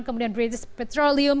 kemudian british petroleum